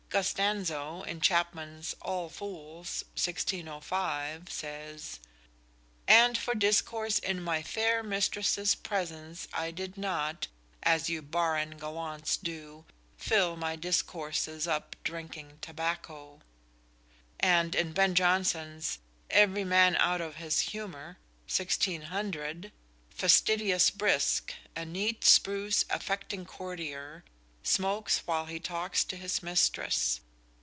Gostanzo, in Chapman's "All Fools," 1605, says: _And for discourse in my fair mistress's presence I did not, as you barren gallants do, Fill my discourses up drinking tobacco._ And in Ben Jonson's "Every Man out of his Humour," 1600, Fastidious Brisk, "a neat, spruce, affecting courtier," smokes while he talks to his mistress.